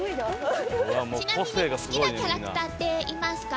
ちなみに好きなキャラクターっていますか？